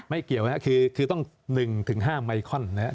เกี่ยวนะครับคือต้อง๑๕ไมคอนนะครับ